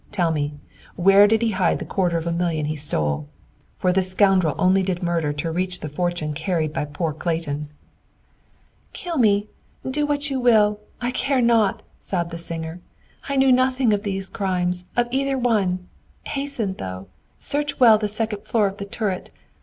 Tell me, where did he hide the quarter of a million he stole? For this scoundrel only did murder to reach the fortune carried by poor Clayton!" "Kill me! Do what you will; I care not," sobbed the singer. "I knew nothing of these crimes, of either one. Hasten, though. Search well the second floor of the turret.